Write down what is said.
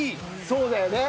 そうだよね。